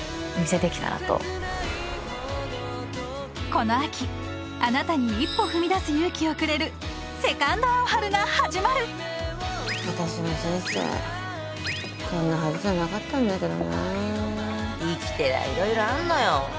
この秋あなたに一歩踏み出す勇気をくれる私の人生こんなはずじゃなかったんだけどな生きてりゃ色々あんのよ